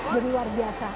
jadi luar biasa